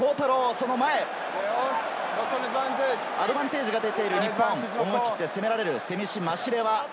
その前、アドバンテージが出てる日本、思い切って攻められるセミシ・マシレワ。